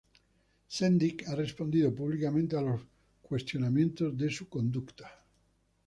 Sendic ha respondido públicamente a los cuestionamientos de su conducta".